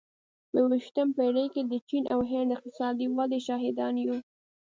په یوویشتمه پېړۍ کې د چین او هند د اقتصادي ودې شاهدان یو.